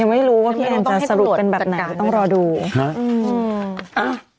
ไม่รู้ว่าพี่แอนจะสรุปเป็นแบบไหนต้องรอดูฮะ